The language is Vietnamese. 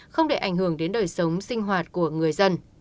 không để ảnh hưởng đến đời sống sinh hoạt của người dân